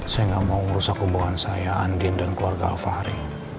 saya enggak mau merusak kebohongan saya andien dan keluarga alva hari